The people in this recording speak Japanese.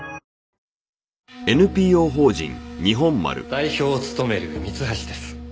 代表を務める三橋です。